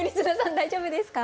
大丈夫ですか？